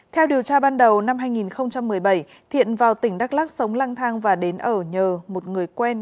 theo điều tra ban đầu năm hai nghìn một mươi bảy thiện vào tỉnh đắk lắc sống lang thang và đến ở nhờ một người quen